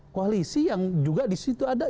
koalisi yang juga disitu ada